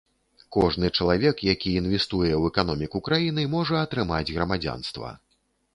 Кожны чалавек, які інвестуе ў эканоміку краіны, можа атрымаць грамадзянства.